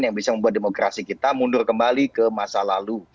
yang bisa membuat demokrasi kita mundur kembali ke masa lalu